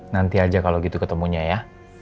nanti aja kalau gitu ketemunya ya